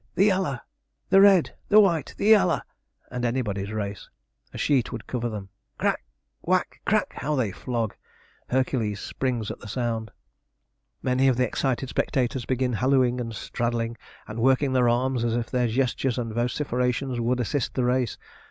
the yaller! The red! the white! the yaller! and anybody's race! A sheet would cover them! crack! whack! crack! how they flog! Hercules springs at the sound. Many of the excited spectators begin hallooing, and straddling, and working their arms as if their gestures and vociferations would assist the race.